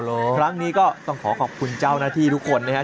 ครั้งนี้ก็ต้องขอขอบคุณเจ้าหน้าที่ทุกคนนะครับ